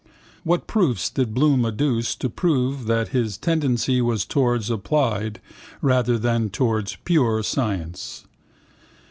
What proofs did Bloom adduce to prove that his tendency was towards applied, rather than towards pure, science?